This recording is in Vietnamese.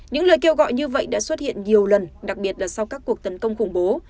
những lời kêu gọi như vậy đã xuất hiện nhiều lần đặc biệt là sau các cuộc tấn công khủng bố